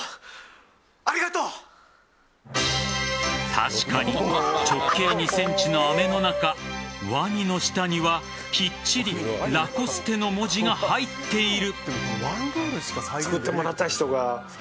確かに、直径２ｃｍの飴の中ワニの下には、きっちりＬＡＣＯＳＴＥの文字が入っている。